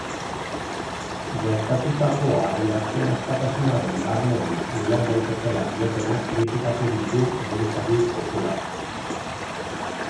Gertatutakoa adierazpen askatasunaren barnean uler daitekeela diotenak kritikatu ditu buruzagi popularrak.